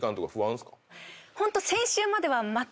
ホント。